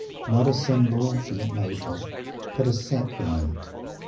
Not a symbol be it noted but a Sacrament!